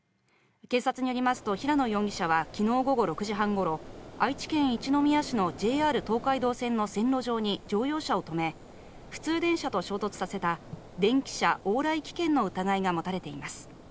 警察によりますと平野容疑者は昨日午後６時半ごろ愛知県一宮市のＪＲ東海道線の線路上に乗用車を止め普通電車と衝突させた電汽車往来危険の疑いが持たれています。